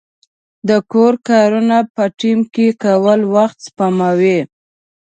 د کور کارونه په ټیم کې کول وخت سپموي.